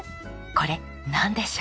これなんでしょう？